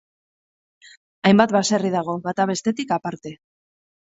Hainbat baserri dago, bata bestetik aparte.